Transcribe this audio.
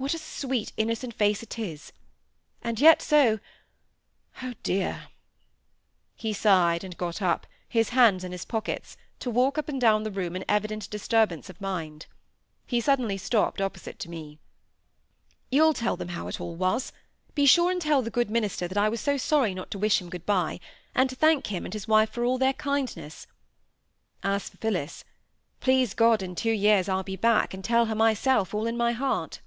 What a sweet innocent face it is! and yet so—Oh, dear!" He sighed and got up, his hands in his pockets, to walk up and down the room in evident disturbance of mind. He suddenly stopped opposite to me. "You'll tell them how it all was. Be sure and tell the good minister that I was so sorry not to wish him good bye, and to thank him and his wife for all their kindness. As for Phillis,—please God in two years I'll be back and tell her myself all in my heart."